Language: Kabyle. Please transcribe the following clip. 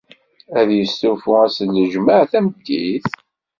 Ad yestufu ass n ljemɛa tameddit?